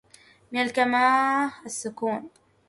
من الكماة السكون